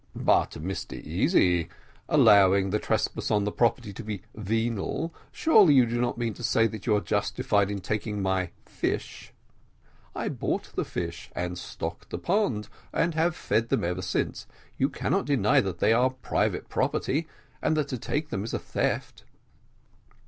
"But, Mr Easy, allowing the trespass on the property to be venial, surely you do not mean to say that you are justified in taking my fish; I bought the fish, and stocked the pond, and have fed them ever since. You cannot deny but that they are private property, and that to take them is a theft?"